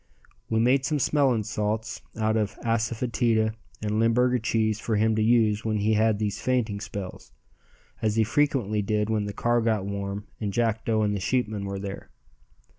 We made some smelling salts out of asafoetida and Limburger cheese for him to use when he had these fainting spells, as he frequently did when the car got warm and Jackdo and the sheepmen were there.